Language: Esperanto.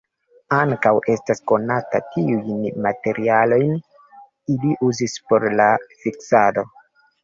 Ankaŭ estas konata, kiujn materialojn ili uzis por la fiksado.